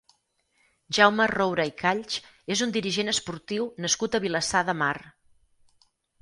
Jaume Roura i Calls és un dirigent esportiu nascut a Vilassar de Mar.